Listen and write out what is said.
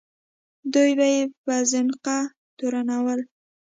دوی به یې په زندقه تورنول.